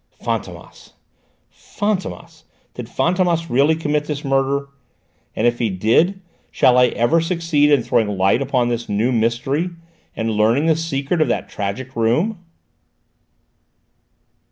"Fantômas! Fantômas! Did Fantômas really commit this murder? And if he did, shall I ever succeed in throwing light upon this new mystery, and learning the secret of that tragic room?"